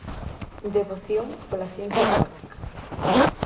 Devoción pola ciencia práctica.